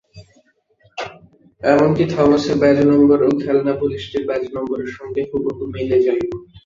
এমনকি থমাসের ব্যাজ নম্বরও খেলনা পুলিশটির ব্যাজ নম্বরের সঙ্গে হুবহু মিলে যায়।